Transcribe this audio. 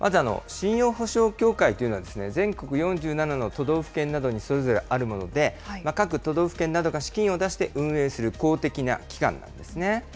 まず信用保証協会というのは、全国４７の都道府県などにそれぞれあるもので、各都道府県などが資金を出して運営する公的な機関なんですね。